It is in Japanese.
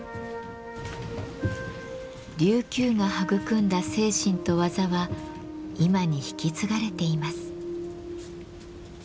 琉球が育んだ精神と技は今に引き継がれています。